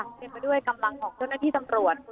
เรียกว่ากำลังของก้อนนักฟิศตำรวจ